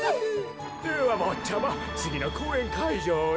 ではぼっちゃまつぎのこうえんかいじょうへ。